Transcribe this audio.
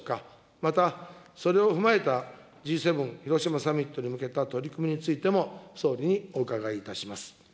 また、それを踏まえたＧ７広島サミットに向けた取り組みについても、総理にお伺いいたします。